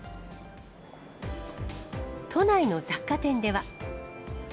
都内の雑貨店では。